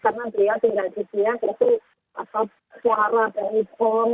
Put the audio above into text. karena dia tinggal di kiev itu suara dari bom